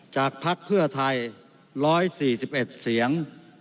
พักเพื่อไทย๑๔๑เสียง